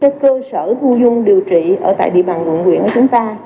cơ sở thu dung điều trị ở tại địa bàn quận huyện của chúng ta